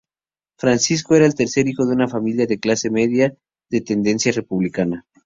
Francisco era el tercer hijo de una familia de clase media de tendencia republicana.